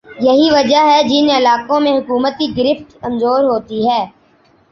یہی وجہ ہے کہ جن علاقوں میں حکومت کی گرفت کمزور ہوتی ہے